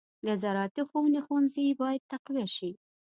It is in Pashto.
د زراعتي ښوونې ښوونځي باید تقویه شي.